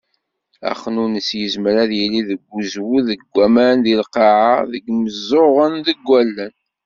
Axnunnes, yezmer ad yili deg uzwu, deg waman, deg lqaεa, deg yimeẓẓuɣen, deg wallen.